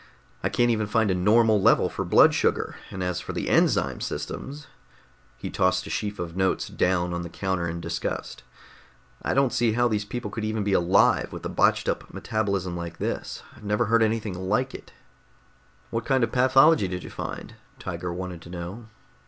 I can't even find a normal level for blood sugar, and as for the enzyme systems...." He tossed a sheaf of notes down on the counter in disgust. "I don't see how these people could even be alive, with a botched up metabolism like this! I've never heard of anything like it." "What kind of pathology did you find?" Tiger wanted to know.